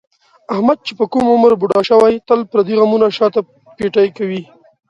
احمد چې په کوم عمر بوډا شوی، تل پردي غمونه شاته پېټی کوي.